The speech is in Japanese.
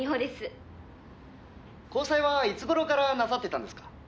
「交際はいつ頃からなさっていたんですか？」